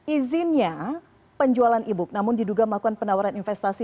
izinnya penjualan e book namun diduga melakukan penawaran investasi